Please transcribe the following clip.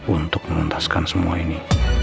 untuk memuntaskan semua ini